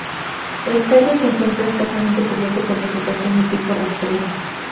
El cayo se encuentra escasamente cubierto por vegetación de tipo rastrero.